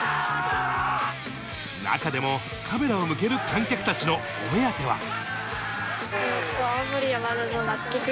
中でもカメラを向ける観客たちのお目当ては。